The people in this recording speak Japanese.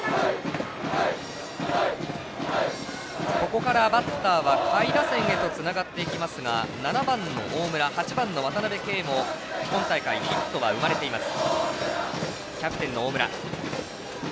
ここからバッターは下位打線へとつながっていきますが７番の大村、８番の渡辺憩も今大会、ヒットは生まれています。